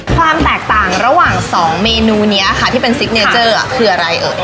ความแตกต่างระหว่างสองเมนูนี้ค่ะที่เป็นซิกเนเจอร์คืออะไรเอ่ย